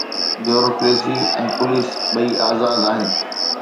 Bureaucracy ۽ police ٻئي آزاد آهن.